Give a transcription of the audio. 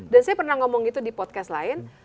dan saya pernah ngomong gitu di podcast lain